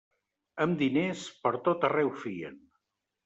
Amb diners, pertot arreu fien.